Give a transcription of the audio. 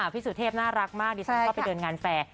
พี่สุเทพน่ารักมากดิฉันชอบไปเดินงานแฟร์